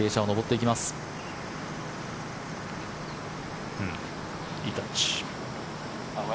いいタッチ。